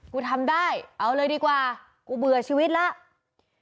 กูทำได้เอาเลยดีกว่ากูเบื่อชีวิตแล้ว